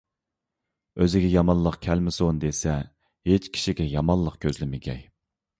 ئۆزىگە يامانلىق كەلمىسۇن دېسە، ھېچ كىشىگە يامانلىق كۆزلىمىگەي.